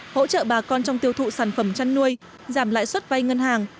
hỗ trợ bà con trong tiêu thụ sản phẩm chăn nuôi giảm lãi suất vay ngân hàng